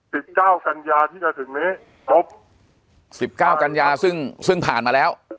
สิบเก้ากันยาที่จะถึงนี้ครบสิบเก้ากันยาซึ่งซึ่งผ่านมาแล้ว